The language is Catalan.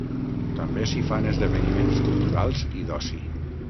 També s'hi fan esdeveniments culturals i d'oci.